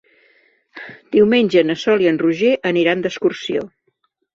Diumenge na Sol i en Roger aniran d'excursió.